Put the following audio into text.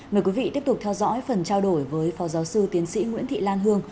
mời quý vị tiếp tục theo dõi phần trao đổi với phó giáo sư tiến sĩ nguyễn thị lan hương